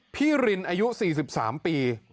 พี่รินทร์อายุ๔๓ปี